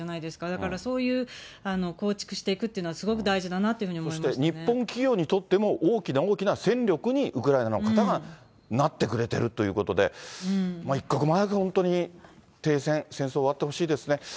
だからそういうのを構築していくっていうのも、すごく大事だなっそして、日本企業にとっても大きな大きな戦力に、ウクライナの方がなってくれてるということで、一刻も早く本当に停戦、戦争終わってほしいですね。